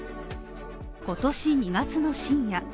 今年２月の深夜。